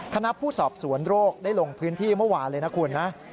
คณะผู้สอบสวนโรคได้ลงพื้นที่เมื่อวานเลยนะคุณนะ